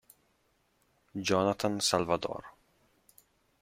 Jonathan Salvador